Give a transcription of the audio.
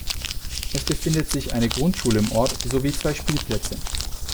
Es befindet sich eine Grundschule im Ort sowie zwei Spielplätze.